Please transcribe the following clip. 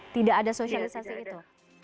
tidak ada sosialisasi itu